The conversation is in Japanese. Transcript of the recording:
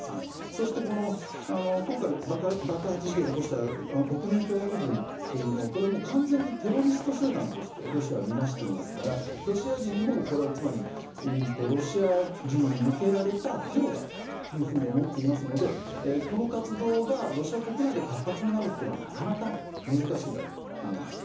そして今回、爆発事件を起こした国民共和国軍というのは完全にテロリスト集団としてロシアはみなしていますからロシア人もこれは、ロシア人に向けられたテロだと思っていますのでこの活動がロシア国内で活発になるというのはなかなか難しいだろうと思います。